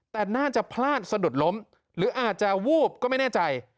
แต่น่าจะพลาดสะดุดล้มหรืออาจจะวูบก็ไม่แน่ใจ